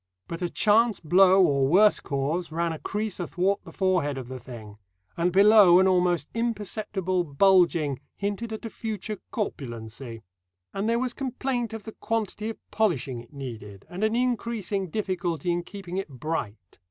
But a chance blow or worse cause ran a crease athwart the forehead of the thing, and below an almost imperceptible bulging hinted at a future corpulency. And there was complaint of the quantity of polishing it needed, and an increasing difficulty in keeping it bright.